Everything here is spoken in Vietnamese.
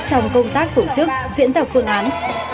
trong công tác tổ chức diễn tập phương án